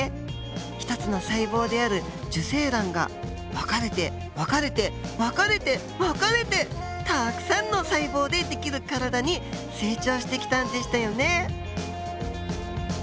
１つの細胞である受精卵が分かれて分かれて分かれて分かれてたくさんの細胞でできる体に成長してきたんでしたよね。